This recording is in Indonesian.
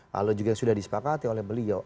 lalu juga sudah disepakati oleh beliau